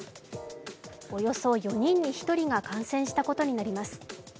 およそ４人に１人が感染したことになります。